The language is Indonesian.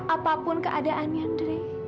apapun keadaan yandere